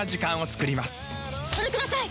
それください！